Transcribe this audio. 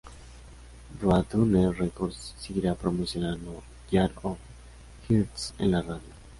Roadrunner Records seguirá promocionando "Jar of Hearts" en la radio.